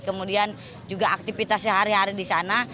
kemudian juga aktivitasnya hari hari di sana